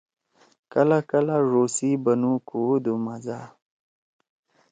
کلا کلا ڙو سی بنُو کُوودُو مزا